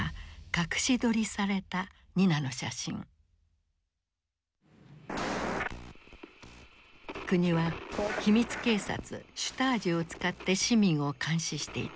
これは国は秘密警察シュタージを使って市民を監視していた。